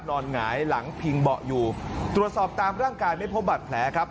หงายหลังพิงเบาะอยู่ตรวจสอบตามร่างกายไม่พบบัตรแผลครับ